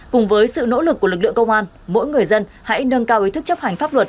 cùng với sự nỗ lực của lực lượng công an mỗi người dân hãy nâng cao ý thức chấp hành pháp luật